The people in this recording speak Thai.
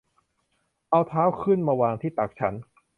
เอาเท้าขึ้นมาวางที่ตักฉัน